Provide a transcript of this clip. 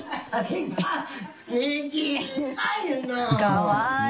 かわいい。